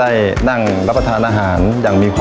และวันนี้โรงเรียนไทรรัฐวิทยา๖๐จังหวัดพิจิตรครับ